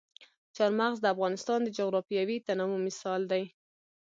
چار مغز د افغانستان د جغرافیوي تنوع مثال دی.